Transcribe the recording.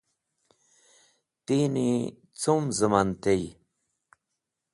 Tini cum zẽman tey?